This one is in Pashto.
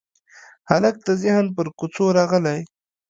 هلک د ذهن پر کوڅو راغلی